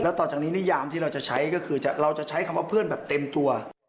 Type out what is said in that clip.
ต่อจากนี้นิยามที่เราจะใช้ก็คือเราจะใช้คำว่าเพื่อนแบบเต็มตัว